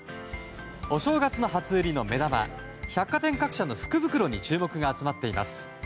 お正月の初売りの目玉百貨店各社の福袋に注目が集まっています。